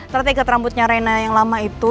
ternyata ikat rambutnya reina yang lama itu